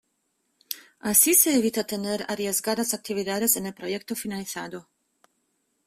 Así se evita tener arriesgadas actividades en el proyecto finalizado.